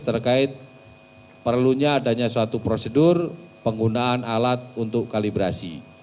terkait perlunya adanya suatu prosedur penggunaan alat untuk kalibrasi